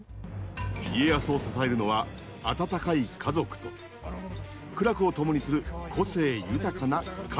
家康を支えるのは温かい家族と苦楽を共にする個性豊かな家臣たち。